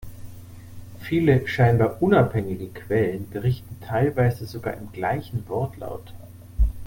Viele scheinbar unabhängige Quellen, berichten teilweise sogar im gleichen Wortlaut.